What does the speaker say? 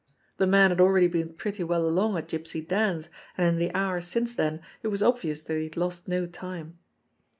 The man had already been pretty well along at Gypsy Dan's, and in the hour since then it was obvious that he had lost no time!